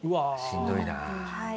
しんどいなあ。